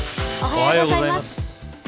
おはようございます。